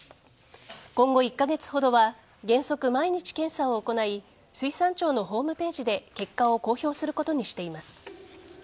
今後１カ月ほどは原則、毎日検査を行い水産庁のホームページで結果を公表することにしています。